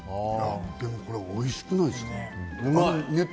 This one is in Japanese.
これおいしくないですか？